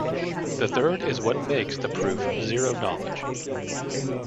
The third is what makes the proof zero-knowledge.